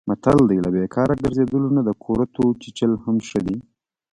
متل دی: له بیکاره ګرځېدلو نه د کورتو چیچل هم ښه دي.